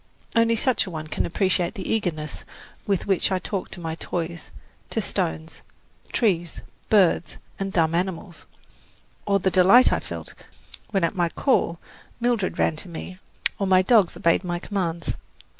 Only such a one can appreciate the eagerness with which I talked to my toys, to stones, trees, birds and dumb animals, or the delight I felt when at my call Mildred ran to me or my dogs obeyed my commands.